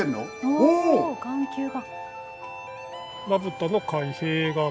おお眼球が！